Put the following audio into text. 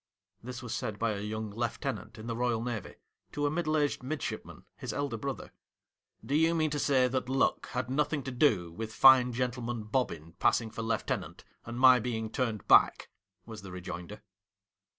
This was said by a young lieutenant in the Eoyal Navy, to a middle aged midshipman, his elder brother. ' Do you mean to say that luck had nothing to do with Fine Gentleman Bobbin passing for lieutenant, and my being turned back ?' was the rejoinder.